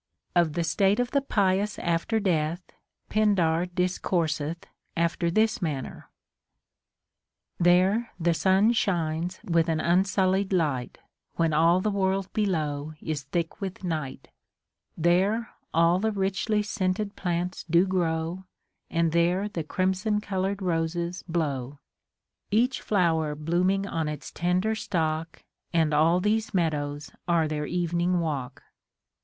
35. Of the state of the pious after death, Pindar dis courseth after this manner :— There the sun sliines with an unsullied light, Wiien all the world below is thick with night. There all the richly scented plants do grow, And there the crimson colored roses blow ; Each flower blooming on its tender stalk, And all these meadows are their evening walk.